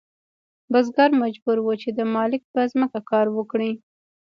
بزګر مجبور و چې د مالک په ځمکه کار وکړي.